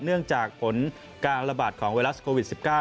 เนื่องจากผลการระบาดของไวรัสโควิด๑๙